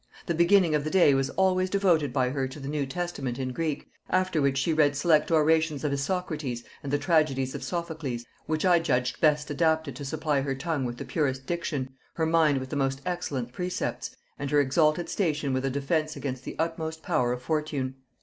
The beginning of the day was always devoted by her to the New Testament in Greek, after which she read select orations of Isocrates and the tragedies of Sophocles, which I judged best adapted to supply her tongue with the purest diction, her mind with the most excellent precepts, and her exalted station with a defence against the utmost power of fortune.